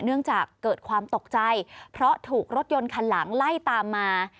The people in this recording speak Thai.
เนื่องจากเกิดความตกใจเพราะถูกรถยนต์คันหลังไล่ตามมา